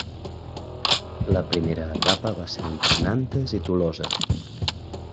La primera etapa va ser entre Nantes i Tolosa.